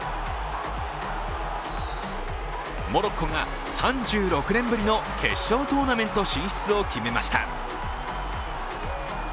モロッコが３６年ぶりの決勝トーナメント進出を決めました。